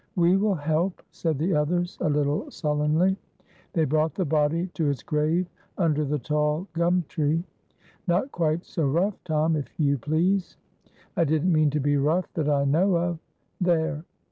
"We will help," said the others, a little sullenly. They brought the body to its grave under the tall gum tree. "Not quite so rough, Tom, if you please." "I didn't mean to be rough that I know of there."